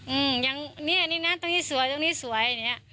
อืมอย่างเนี้ยนี่นะตรงนี้สวยตรงนี้สวยอย่างเงี้ย